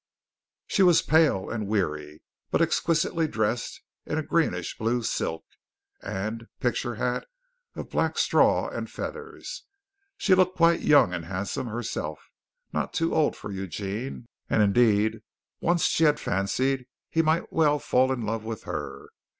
She was pale and weary, but exquisitely dressed in a greenish blue silk and picture hat of black straw and feathers. She looked quite young and handsome herself, not too old for Eugene, and indeed once she had fancied he might well fall in love with her.